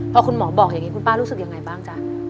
พอคุณหมอบอกอย่างนี้คุณป้ารู้สึกยังไงบ้างจ๊ะ